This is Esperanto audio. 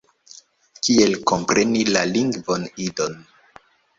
Kiel kompreni la lingvon Idon.